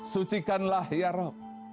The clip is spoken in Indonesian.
sucikanlah ya rab